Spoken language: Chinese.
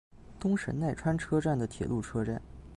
东神奈川车站的铁路车站。